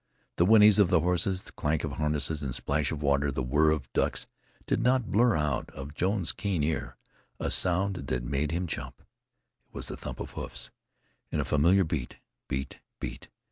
The whinnies of the horses, the clank of harness, and splash of water, the whirl of ducks did not blur out of Jones's keen ear a sound that made him jump. It was the thump of hoofs, in a familiar beat, beat, beat.